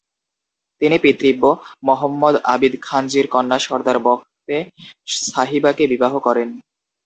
তিনি পিতৃব্য মহম্মদ আবিদ খানজীর কন্যা সর্দার বখতে সাহিবাকে বিবাহ করেন।